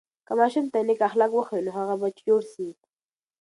که ماشوم ته نیک اخلاق وښیو، نو هغه به ښه جوړ سي.